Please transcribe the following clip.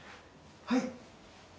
はい。